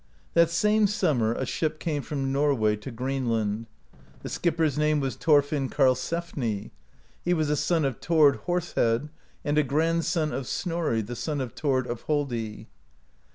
That same summer a ship came from Norway to Green land. The skipper's name was Thorfinn Karlsefni; he was a son of Thord Horsehead, and a grandson of Snorri, the son of Thord of Hofdi.